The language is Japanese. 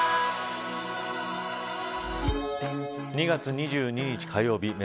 ２月２２日、火曜日